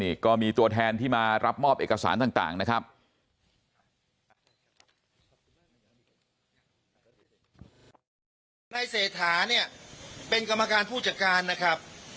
นี่ก็มีตัวแทนที่มารับมอบเอกสารต่างนะครับ